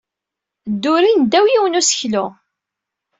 Ddurin ddaw yiwen n useklu.